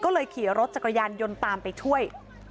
ก็เลยขี่รถจักรยานยนต์ตามไปช่วย